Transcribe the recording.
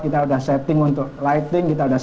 kita udah setting untuk lighting kita udah